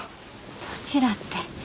どちらって。